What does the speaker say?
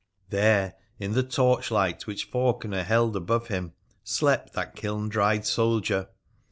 There, in the torchlight which Faulkener held above him, slept that kiln dried soldier.